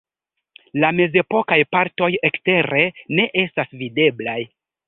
La mezepokaj partoj ekstere ne estas videblaj.